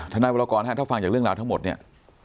นายวรกรถ้าฟังจากเรื่องราวทั้งหมดเนี่ย